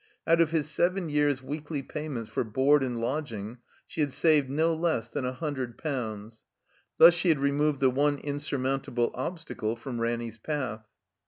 Out of his seven years' weekly payments for board and lodging she had saved no less than a hundred potmds. Thus she had removed the one insurmountable obstacle from Ranny's path.